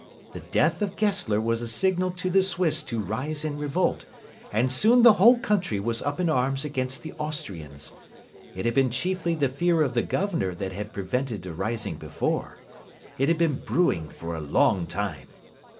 The death of Gessler was a signal to the Swiss to rise in revolt, and soon the whole country was up in arms against the Austrians. It had been chiefly the fear of the Governor that had prevented a rising before. It had been brewing for a long time.